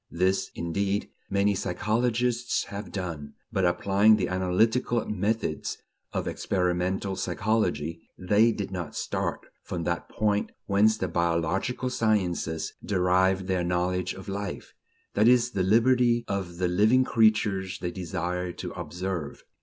This, indeed, many psychologists have done; but, applying the analytical methods of experimental psychology, they did not start from that point whence the biological sciences derive their knowledge of life: that is, the liberty of the living creatures they desire to observe.